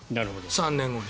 ３年後に。